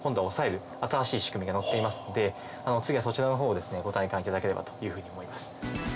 が載っていますので次はそちらのほうをですねご体感いただければというふうに思います。